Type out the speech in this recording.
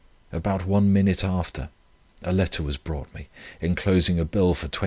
About one minute after, a letter was brought me, enclosing a bill for £20.